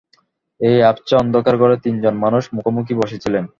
এই আবছা অন্ধকার ঘরে তিন জন মানুষ মুখোমুখি বসে ছিলেন।